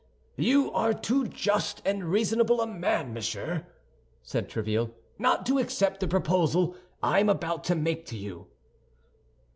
"You are too just and reasonable a man, monsieur!" said Tréville, "not to accept the proposal I am about to make to you."